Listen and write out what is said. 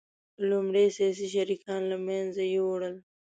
لومړی سیاسي شریکان له منځه یوړل